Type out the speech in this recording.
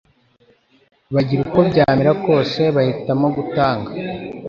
bagira uko byamera kose. Bahitamo gutanga